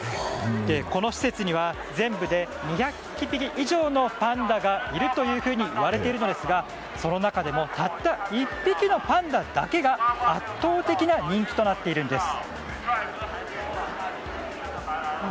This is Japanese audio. この施設には全部で２００匹以上のパンダがいるといわれているのですがその中でもたった１匹のパンダだけが圧倒的な人気となっているんです。